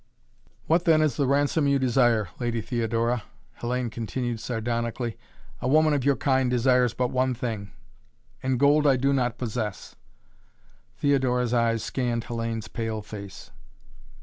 "What then is the ransom you desire, Lady Theodora?" Hellayne continued sardonically. "A woman of your kind desires but one thing and gold I do not possess " Theodora's eyes scanned Hellayne's pale face.